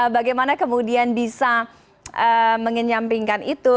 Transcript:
bagaimana kemudian bisa mengenyampingkan itu